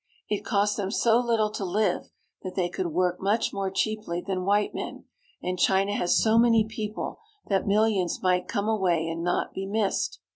It cost them so little to live that they could work much more cheaply than white men, and China has so many people that millions might come away and not be missed.